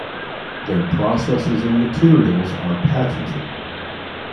Their processes and materials are patented.